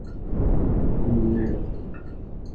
Jag kommer ned.